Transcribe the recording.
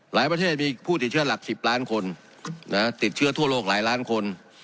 ประเทศมีผู้ติดเชื้อหลัก๑๐ล้านคนติดเชื้อทั่วโลกหลายล้านคน